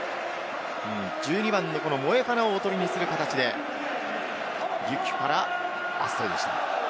モエファナをおとりにする形でリュキュからアストイでした。